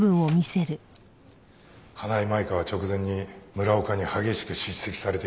花井舞香は直前に村岡に激しく叱責されている。